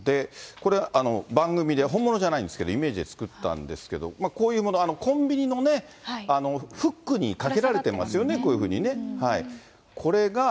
これ、番組で本物じゃないんですけど、イメージで作ったんですけど、こういうもの、コンビニのね、フックにかけられてますよね、こういうふうにね。